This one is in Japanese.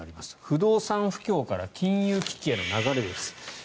不動産不況から金融危機への流れです。